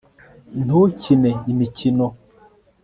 ntukine imikino